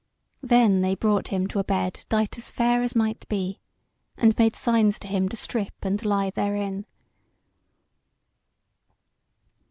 Then they brought him to a bed dight as fair as might be, and made signs to him to strip and lie therein.